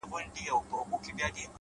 گلي نن بيا راته راياده سولې;